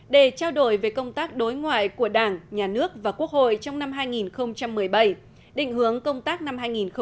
để trao đổi về công tác đối ngoại của đảng nhà nước và quốc hội trong năm hai nghìn một mươi bảy định hướng công tác năm hai nghìn một mươi chín